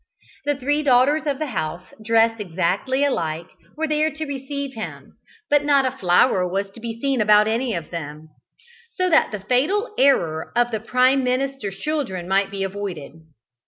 The three daughters of the house, dressed exactly alike, were there to receive him; but not a flower was to be seen about any of them, so that the fatal error of the Prime Minister's children might be avoided.